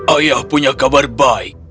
ayah punya kabar baik